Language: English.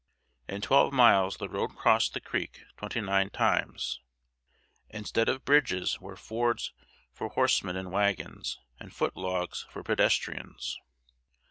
In twelve miles the road crossed the creek twenty nine times. Instead of bridges were fords for horsemen and wagons, and foot logs for pedestrians.